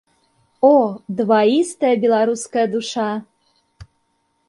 О, дваістая беларуская душа!